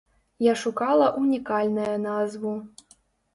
Я шукала унікальнае назву.